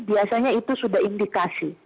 biasanya itu sudah indikasi